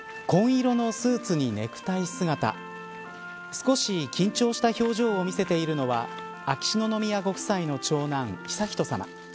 紺色のスーツにネクタイ姿少し緊張した表情を見せているのは秋篠宮ご夫妻の長男、悠仁さま。